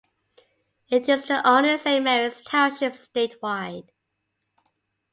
It is the only Saint Marys Township statewide.